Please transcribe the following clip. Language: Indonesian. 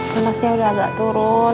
penasnya udah agak turun